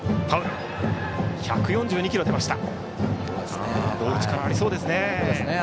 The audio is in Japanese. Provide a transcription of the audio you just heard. １４２キロ出ました。